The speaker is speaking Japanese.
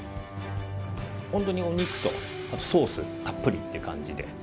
本当にお肉とソースたっぷりって感じで。